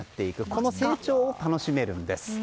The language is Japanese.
この成長を楽しめるんです。